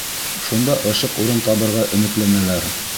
Шунда ышыҡ урын табырға өмөтләнәләр.